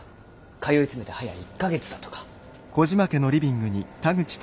通い詰めて早１か月だとか。